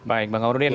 baik bang kamarudin